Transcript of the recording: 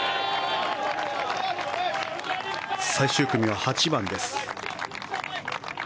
最終組は８番です。